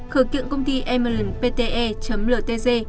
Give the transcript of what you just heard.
khởi kiện công ty emerald pte ltg